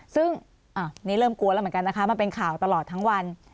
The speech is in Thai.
ซึ่งนี่เริ่มกลัวแล้วเหมือนกันนะคะมันเป็นข่าวตลอดทั้งวัน